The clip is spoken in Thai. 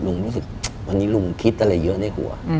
รู้สึกวันนี้ลุงคิดอะไรเยอะในหัว